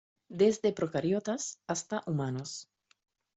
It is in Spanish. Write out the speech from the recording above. Desde procariotas hasta humanos.